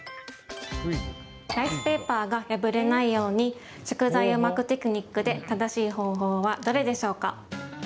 ライスペーパーが破れないように、食材を巻くテクニックで正しい方法はどれでしょうか。